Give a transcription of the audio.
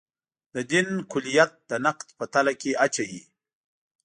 د دین کُلیت د نقد په تله کې اچوي.